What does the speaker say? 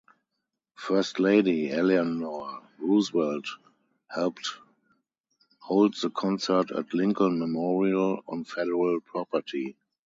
First Lady Eleanor Roosevelt helped hold the concert at Lincoln Memorial, on federal property.